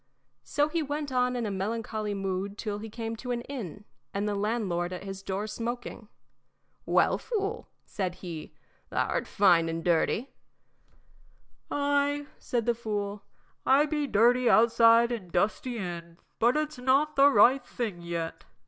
So on he went in a melancholy mood till he came to an inn, and the landlord at his door smoking. "Well, fool," said he, "thou 'rt fine and dirty." "Ay," said the fool, "I be dirty outside an' dusty in, but it's not the right thing yet."